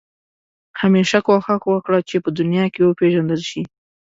همېشه کوښښ وکړه چې په دنیا کې وپېژندل شې.